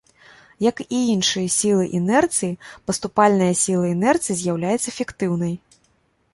Як і іншыя сілы інерцыі, паступальная сіла інерцыі з'яўляецца фіктыўнай.